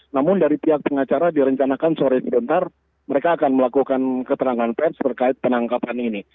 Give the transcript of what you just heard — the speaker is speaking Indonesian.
namun dari pihak pengacara direncanakan sore sebentar mereka akan melakukan keterangan pers terkait penangkapan ini